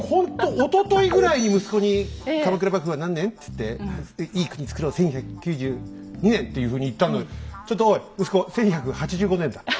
おとといぐらいに息子に「鎌倉幕府は何年？」つっていい国つくろう１１９２年っていうふうに言ったのにちょっとおい息子１１８５年だった。